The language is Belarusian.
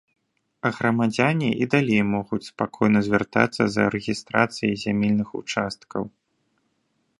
А грамадзяне і далей могуць спакойна звяртацца за рэгістрацыяй зямельных участкаў.